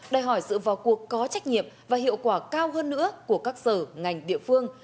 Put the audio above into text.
đòi hỏi sự vào cuộc có trách nhiệm và hiệu quả cao hơn nữa của các sở ngành địa phương